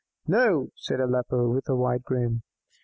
"No," said Aleppo, with a wide grin.